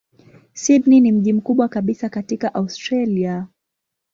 Sydney ni mji mkubwa kabisa katika Australia.